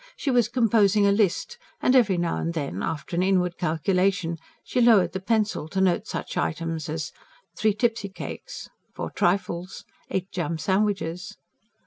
She was composing a list, and every now and then, after an inward calculation, she lowered the pencil to note such items as: three tipsy cakes, four trifles, eight jam sandwiches.